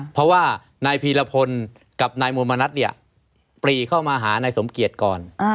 เพราะว่านายพีรพลกับนายโมมณัฐเนี่ยปรีเข้ามาหานายสมเกียจก่อน